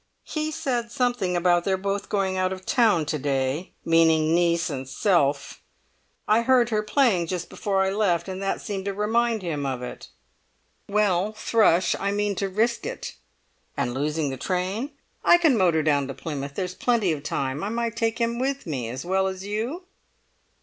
"He said something about their both going out of town to day—meaning niece and self. I heard her playing just before I left, and that seemed to remind him of it." "Well, Thrush, I mean to risk it." "And losing the train?" "I can motor down to Plymouth; there's plenty of time. I might take him with me, as well as you?"